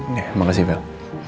ya makasih phil